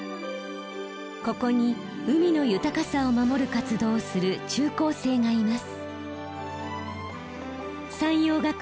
ここに海の豊かさを守る活動をする中高生がいます。